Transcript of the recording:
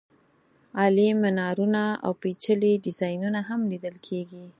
عالي مېنارونه او پېچلي ډیزاینونه هم لیدل کېږي.